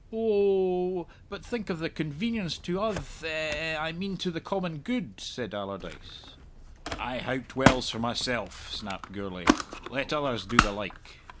"Oh oh, but think of the convenience to uth eh eh I mean to the common good," said Allardyce. "I howked wells for myself," snapped Gourlay. "Let others do the like."